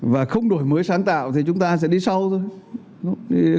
và không đổi mới sáng tạo thì chúng ta sẽ đi sau thôi